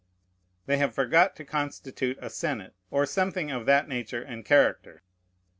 They have forgot to constitute a senate, or something of that nature and character.